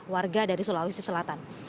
warga dari sulawesi selatan